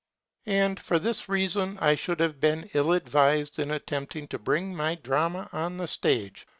And for this reason I should have been ill advised in attempting to bring my drama on the stage.